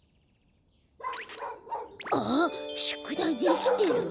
あっしゅくだいできてる。